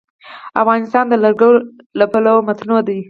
افغانستان د لوگر له پلوه متنوع دی.